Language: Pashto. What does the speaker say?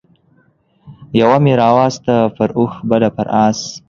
يوه مې راوسته پر اوښ بله پر اس